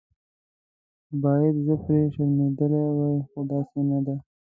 باید زه پرې شرمېدلې وای خو داسې نه ده.